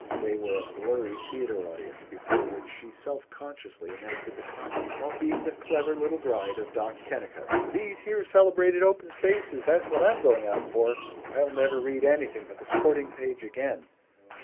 They were a blurry theater audience before which she self consciously enacted the comedy of being the Clever Little Bride of Doc Kennicott: "These here celebrated Open Spaces, that's what I'm going out for. I'll never read anything but the sporting page again.